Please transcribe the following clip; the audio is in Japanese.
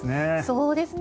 そうですよね。